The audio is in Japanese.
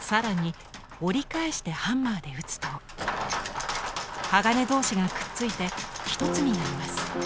更に折り返してハンマーで打つと鋼同士がくっついて一つになります。